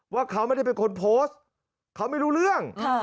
ว่าเขาไม่ได้เป็นคนโพสต์เขาไม่รู้เรื่อง